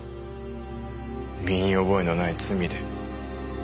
身に覚えのない罪で。